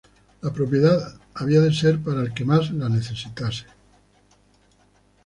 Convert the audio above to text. La propiedad había de ser para el que más la necesitase.